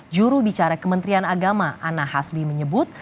juru bicara kementerian agama ana hasbi menyebut